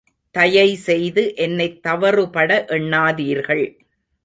தயைசெய்து என்னைத் தவறுபட எண்ணாதீர்கள்.